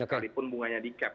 sekalipun bunganya di cap